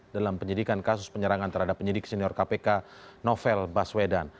dalam penyidikan kasus penyerangan terhadap penyidik senior kpk novel baswedan